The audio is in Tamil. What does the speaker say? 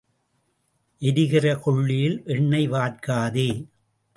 எரிகிற கொள்ளியில் எண்ணெய் வார்க்காதே.